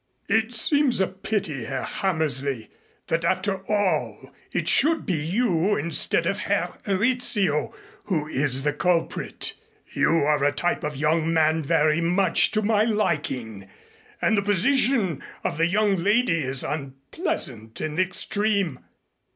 "It seems a pity, Herr Hammersley, that after all it should be you instead of Herr Rizzio who is the culprit. You are a type of young man very much to my liking, and the position of the young lady is unpleasant in the extreme.